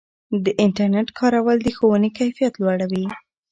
د انټرنیټ کارول د ښوونې کیفیت لوړوي.